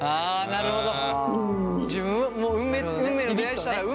なるほど。